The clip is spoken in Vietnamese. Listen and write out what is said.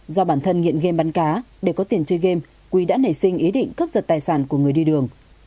do bản thân nghiện game bắn cá để có tiền chơi game quý đã nảy sinh ý định cướp giật tài sản của người đi đường